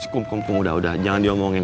kum kum kum udah udah jangan diomongin